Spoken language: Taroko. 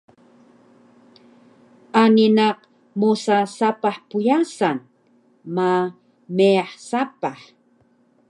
Ani naq mosa sapah pyasan ma meyah sapah